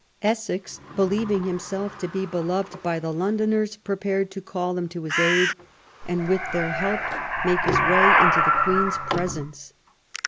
Essex, believing himself to be beloved by the Londoners, prepared to call them to his aid and with their help make his way into the Queen's presence.